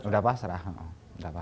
sudah pas serabda